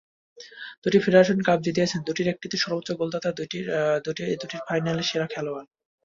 দুটি Federation Cup জিতিয়েছেন, দুটির একটিতে সর্বোচ্চ গোলদাতা, দুটির ফাইনালে সেরা খেলোয়াড়।